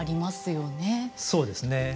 そうですね。